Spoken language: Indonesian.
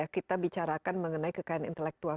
kita bicarakan mengenai kekayaan intelektual